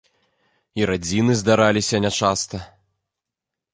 І радзіны здараліся нячаста.